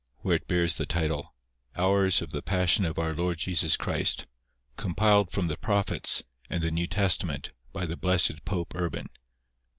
where it bears the title, "Hours of the Passion of our Lord Jesus Christ, compiled from the Prophets and the New Testament by the Blessed Pope Urban" _(_b.